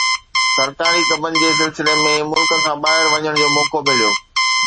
سرڪاري ڪمن جي سلسلي ۾ ملڪ کان ٻاهر وڃڻ جو موقعو مليو